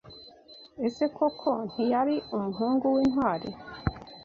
Ese koko ntiyari umuhungu w’intwari